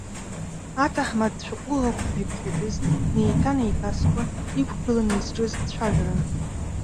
Аҭаҳмадцәа-ҟәыӷақәа ҳәа иԥхьаӡаз неиҭа-неиҭасуа иқәгыланы изҿыз цәажәаран.